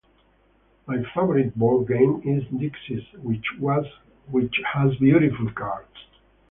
My favorite board game is Dixit, which has beautiful cards.